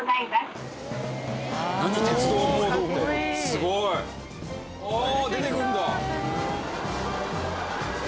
すごい！ああ出てくるんだ。